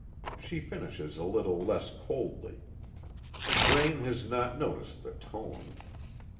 She finishes a little less coldly. Braine has not noticed the tone.